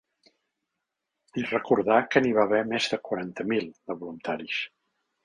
I recordà que n’hi va haver més de quaranta mil, de voluntaris.